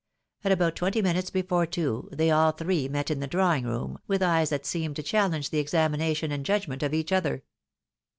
At about twenty minutes before two, they aU three met in the drawing room, with eyes that seemed to challenge the examination and judgment of each other.